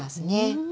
うん。